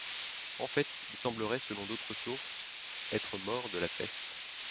En fait, il semblerait selon d'autres sources être mort de la peste.